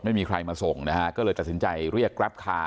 ไม่มีใครมาส่งนะฮะก็เลยตัดสินใจเรียกแกรปคาร์